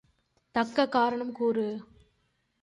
தக்க காரணம் கூறு.